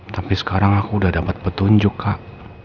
tapi sekarang aku udah dapat petunjuk kak